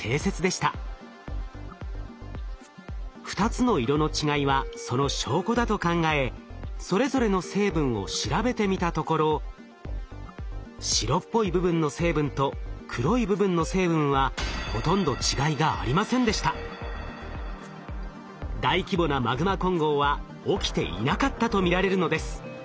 ２つの色の違いはその証拠だと考えそれぞれの成分を調べてみたところ白っぽい部分の成分と黒い部分の成分は大規模なマグマ混合は起きていなかったと見られるのです。